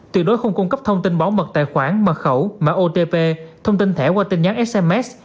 tuyệt đối không cung cấp thông tin bảo mật tài khoản mật khẩu mã otp thông tin thẻ qua tin nhắn sms